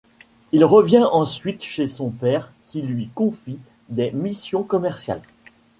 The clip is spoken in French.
Il revient ensuite chez son père qui lui confie des missions commerciales.